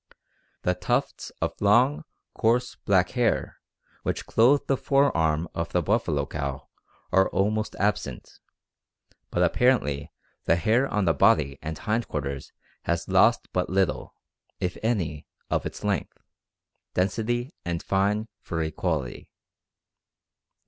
The tufts of long, coarse, black hair which clothe the fore arm of the buffalo cow are almost absent, but apparently the hair on the body and hind quarters has lost but little, if any, of its length, density, and fine, furry quality.